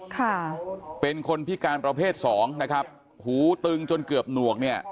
ค่ะเป็นคนพิการประเภทสองนะครับหูตึงจนเกือบหนวกเนี่ย